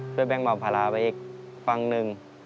ช่วยแบงก์มาบภาระไปอีกฝั่งหนึ่ง